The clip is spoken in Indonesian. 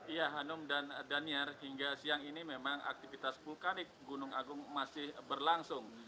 iya hanum dan daniar hingga siang ini memang aktivitas vulkanik gunung agung masih berlangsung